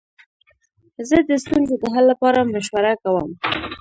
زه د ستونزو د حل لپاره مشوره کوم.